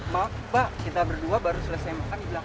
maaf mbak kita berdua baru selesai makan di belakang